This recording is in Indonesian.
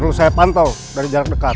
perlu saya pantau dari jarak dekat